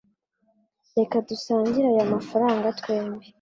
Reka dusangire aya mafranga twembi.